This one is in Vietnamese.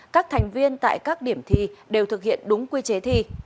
các thành viên tại các điểm thi đều thực hiện đúng quy chế thi